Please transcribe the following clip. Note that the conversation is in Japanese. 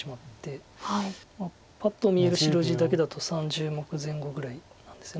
まあパッと見える白地だけだと３０目前後ぐらいなんです